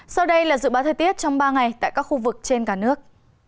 sau đây là dự báo thời tiết trong ba ngày tại các khu vực trên cả nước